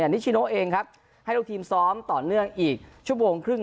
นิชิโนเองครับให้ลูกทีมซ้อมต่อเนื่องอีกชั่วโมงครึ่ง